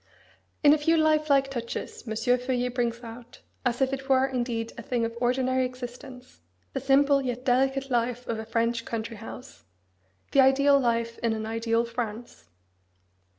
In a few life like touches M. Feuillet brings out, as if it were indeed a thing of ordinary existence, the simple yet delicate life of a French country house, the ideal life in an ideal France.